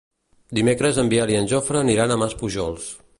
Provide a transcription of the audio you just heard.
Dimecres en Biel i en Jofre aniran a Maspujols.